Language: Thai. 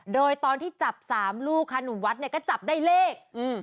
โดยตอนที่จับ๓ลูกขนุมวัดก็จับได้เลข๙๔๐